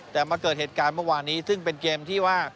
แต่มาเกิดเหตุการณ์เมื่อวานนี้ซึ่งเป็นเกมที่ว่า